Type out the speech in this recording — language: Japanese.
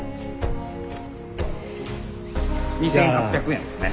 ２，８００円ですね。